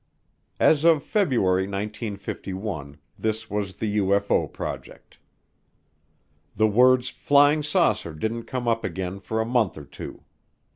As of February 1951 this was the UFO project. The words "flying saucer" didn't come up again for a month or two.